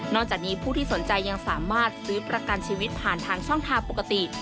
จากนี้ผู้ที่สนใจยังสามารถซื้อประกันชีวิตผ่านทางช่องทางปกติ